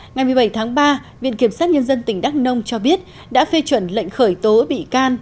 ngày một mươi bảy tháng ba viện kiểm sát nhân dân tỉnh đắk nông cho biết đã phê chuẩn lệnh khởi tố bị can